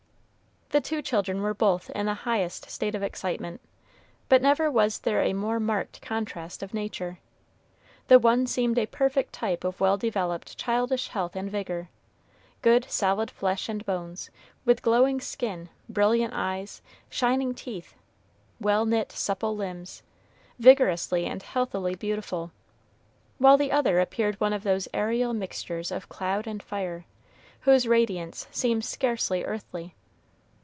The two children were both in the highest state of excitement, but never was there a more marked contrast of nature. The one seemed a perfect type of well developed childish health and vigor, good solid flesh and bones, with glowing skin, brilliant eyes, shining teeth, well knit, supple limbs, vigorously and healthily beautiful; while the other appeared one of those aerial mixtures of cloud and fire, whose radiance seems scarcely earthly.